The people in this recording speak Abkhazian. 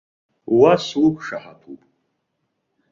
Уа суқәшаҳаҭуп.